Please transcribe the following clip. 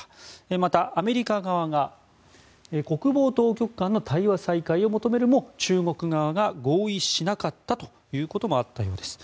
また、アメリカ側が国防当局間の対話再開を求めるも中国側が合意しなかったということもあったようです。